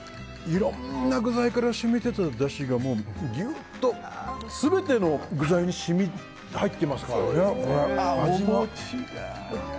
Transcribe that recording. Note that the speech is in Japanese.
いろんな具材から染み出ただしがギュッと全ての具材に入ってますからね。